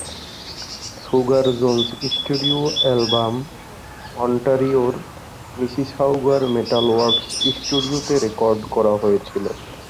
Sugar Jones studio album অন্টারিওর মিসিসাউগার Metalworks স্টুডিওতে রেকর্ড করা হয়েছিল।